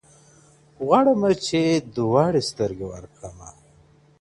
غواړمه چي دواړي سترگي ورکړمه.